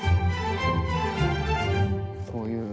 こういう。